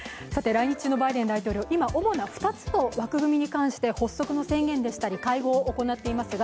来日中のバイデン大統領、今主な２つの枠組みについて発足の宣言でしたり会合を行っていますが、